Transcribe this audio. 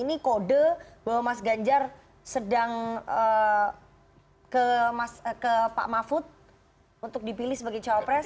ini kode bahwa mas ganjar sedang ke pak mahfud untuk dipilih sebagai cawapres